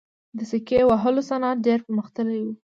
د سکې وهلو صنعت ډیر پرمختللی و